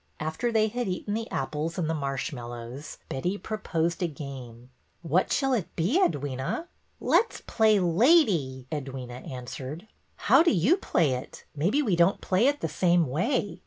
After they had eaten the apples and the marsh mallows, Betty proposed a game. What shall it be, Edwyna ?'' Let 's play lady,'' Edwyna answered. '' How do you play it ? Maybe we don't play it the same way."